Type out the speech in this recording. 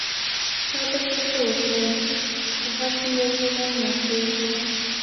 چا درته څه وکړل، که هر څومره وي، مننه ترې وکړه.